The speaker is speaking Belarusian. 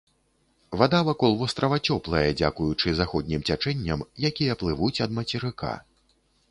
Вада вакол вострава цёплая дзякуючы заходнім цячэнням, якія плывуць ад мацерыка.